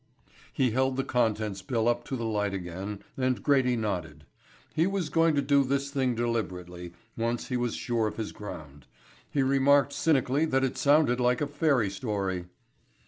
He held the contents bill up to the light again and Grady nodded. He was going to do this thing deliberately, once he was sure of his ground. He remarked cynically that it sounded like a fairy story.